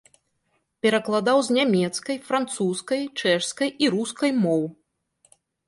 Перакладаў з нямецкай, французскай, чэшскай і рускай моў.